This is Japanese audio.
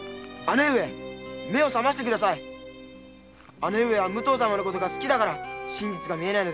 姉上は武藤様が好きだから真実が見えないのです！